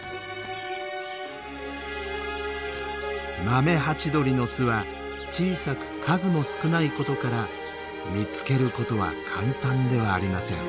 マメハチドリの巣は小さく数も少ないことから見つけることは簡単ではありません。